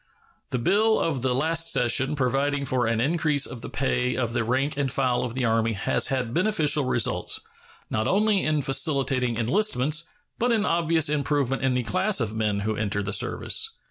The bill of the last session providing for an increase of the pay of the rank and file of the Army has had beneficial results, not only in facilitating enlistments, but in obvious improvement in the class of men who enter the service.